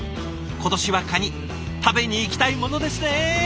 今年はカニ食べに行きたいものですね！